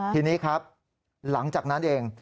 ทีนี้ครับหลังจากนั้นเอง